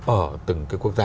ở từng cái quốc gia